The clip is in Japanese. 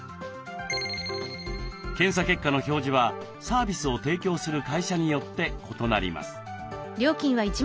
検査結果の表示はサービスを提供する会社によって異なります。